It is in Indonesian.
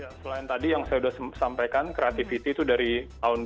ya selain tadi yang saya sudah sampaikan kreativity itu dari tahun dua ribu